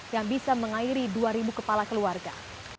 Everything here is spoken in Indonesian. yang bisa mengairi dua kepala keluarga